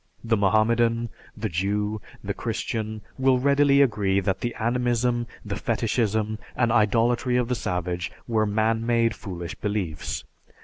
The Mohammedan, the Jew, the Christian, will readily agree that the animism, the fetishism, and idolatry of the savage were man made foolish beliefs.